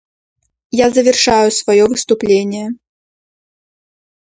Я завершаю свое выступление.